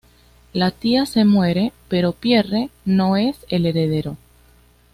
La tía se muere, pero Pierre no es el heredero.